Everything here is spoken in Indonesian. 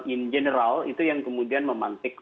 in general itu yang kemudian memantik